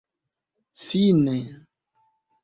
fine